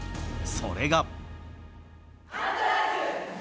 それが。